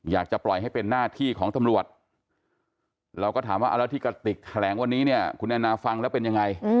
อยากจะปล่อยให้เป็นหน้าที่ของตำรวจเราก็ถามว่าเอาแล้วที่กระติกแถลงวันนี้เนี่ยคุณแอนนาฟังแล้วเป็นยังไง